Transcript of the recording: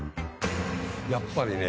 やっぱりね